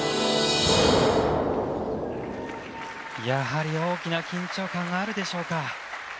やはり大きな緊張感があるでしょうか。